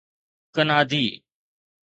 ڪنادي